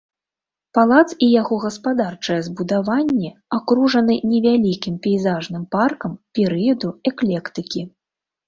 Палац і яго гаспадарчыя збудаванні акружаны невялікім пейзажным паркам перыяду эклектыкі.